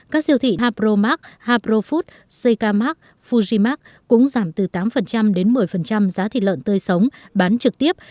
các siêu thị hapro max hapro food seika max fujimax cũng giảm từ tám đến một mươi giá thịt lợn tơi sống bán trực tiếp